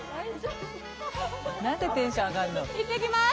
何でテンション上がんの。